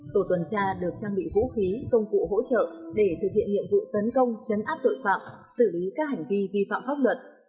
tổ tuần tra được trang bị vũ khí công cụ hỗ trợ để thực hiện nhiệm vụ tấn công chấn áp tội phạm xử lý các hành vi vi phạm pháp luật